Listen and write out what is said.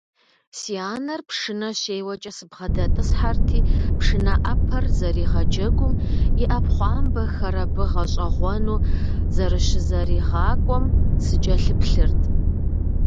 Си анэр пшынэ щеуэкӀэ сыбгъэдэтӀысхьэрти, пшынэ Ӏэпэр зэригъэджэгум, и Ӏэпхъуамбэхэр абы гъэщӀэгъуэну зэрыщызэригъакӀуэм сыкӀэлъыплъырт.